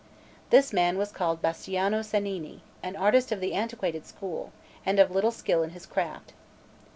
This man was called Bastiano Cennini, an artist of the antiquated school, and of little skill in his craft.